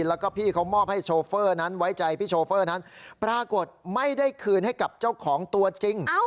แล้วก็พี่เขามอบให้โชเฟอร์นั้นไว้ใจพี่โชเฟอร์นั้นปรากฏไม่ได้คืนให้กับเจ้าของตัวจริง